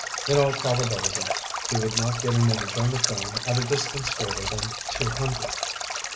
In all probability, he would not get an image on the film at a distance greater than two hundred.